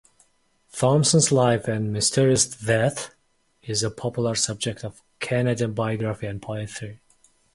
Thomson's life and mysterious death is a popular subject of Canadian biography and poetry.